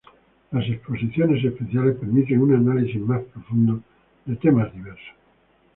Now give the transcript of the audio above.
Las exposiciones especiales permiten un análisis más profundo de temas diversos.